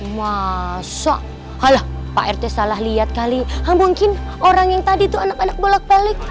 masa halo pak rt salah lihat kali mungkin orang yang tadi tuh anak anak bolak balik